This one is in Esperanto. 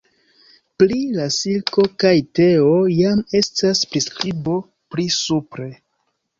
Pri la silko kaj teo jam estas priskribo pli supre.